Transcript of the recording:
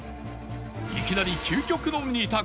いきなり究極の２択